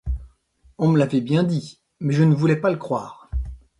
On me l’avait bien dit, mais je ne voulais pas le croire.